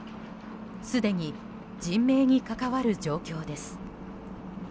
すでに人命に関わる状況です。